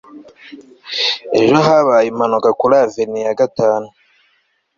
ejo habaye impanuka kuri avenue ya gatanu